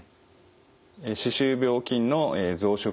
歯周病菌の増殖